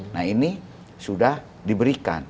nah ini sudah diberikan